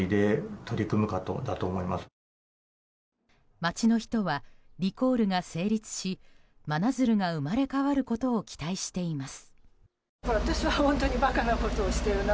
町の人は、リコールが成立し真鶴が生まれ変わることを期待しています。